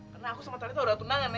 karena aku sama talita udah tunangan nek